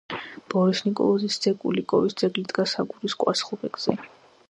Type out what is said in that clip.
ბორის ნიკოლოზის ძე კულიკოვის ძეგლი დგას აგურის კვარცხლბეკზე.